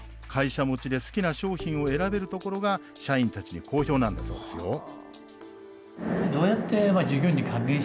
会社持ちで好きな商品を選べるところが社員たちに好評なんだそうですよ。